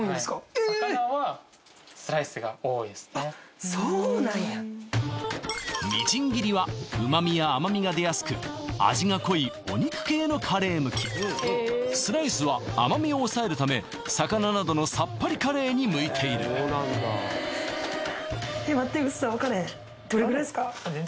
ええっそうなんやみじん切りは旨味や甘みが出やすく味が濃いお肉系のカレー向きスライスは甘みを抑えるため魚などのさっぱりカレーに向いているえっ待って薄さ分からへんどのぐらいですか？